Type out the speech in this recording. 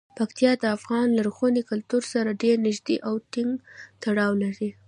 پکتیکا د افغان لرغوني کلتور سره ډیر نږدې او ټینګ تړاو لري.